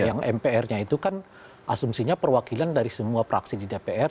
yang mpr nya itu kan asumsinya perwakilan dari semua praksi di dpr